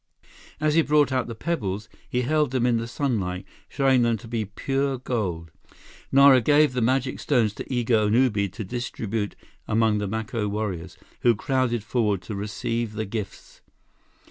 As he brought out the pebbles, he held them in the sunlight, showing them to be pure gold. Nara gave the magic stones to Igo and Ubi to distribute among the Maco warriors, who crowded forward to receive the gifts.